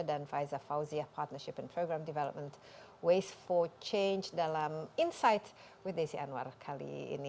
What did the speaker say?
dan faiza fauziah partnership and program development waste for change dalam insight with desi anwar kali ini